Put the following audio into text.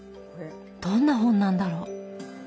どんな本なんだろう。